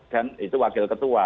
dan itu wakil ketua